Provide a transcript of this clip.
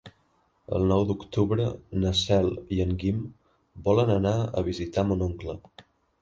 El nou d'octubre na Cel i en Guim volen anar a visitar mon oncle.